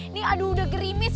ini aduh udah gerimis